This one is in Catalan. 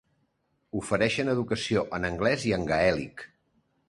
Ofereixen educació en anglès i en gaèlic.